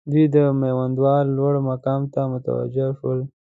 دوی د میوندوال لوړ مقام ته متوجه شول.